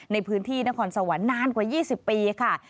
ในพื้นที่นครสวรรค์นานกว่า๒๐ปีค่ะ